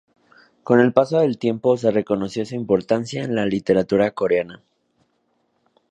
Con el paso del tiempo se reconoció su importancia en la literatura coreana.